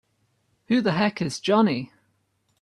Who the heck is Johnny?!